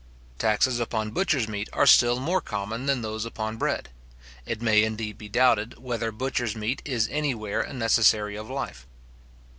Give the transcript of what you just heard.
Taxes upon butcher's meat are still more common than those upon bread. It may indeed be doubted, whether butcher's meat is any where a necessary of life.